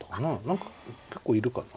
何か結構いるかな。